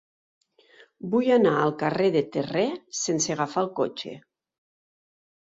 Vull anar al carrer de Terré sense agafar el cotxe.